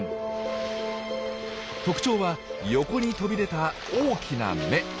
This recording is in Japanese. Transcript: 特徴は横に飛び出た大きな眼。